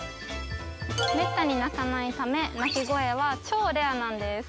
めったに鳴かないため鳴き声は超レアなんです